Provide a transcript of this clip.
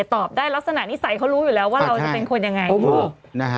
ตอบได้ลักษณะนิสัยเขารู้อยู่แล้วว่าเราจะเป็นคนยังไง